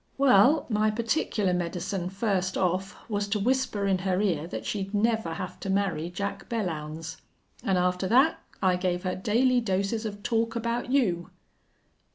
"Well, my particular medicine first off was to whisper in her ear that she'd never have to marry Jack Belllounds. An' after that I gave her daily doses of talk about you."